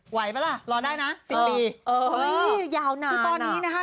ไหวป่ะล่ะรอได้นะ๑๐ปีเออเออยาวนานอ่ะตอนนี้นะคะ